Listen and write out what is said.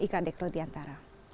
ika dek rodiantara